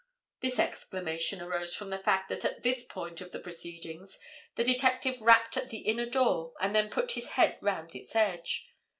This exclamation arose from the fact that at this point of the proceedings the detective rapped at the inner door, and then put his head round its edge.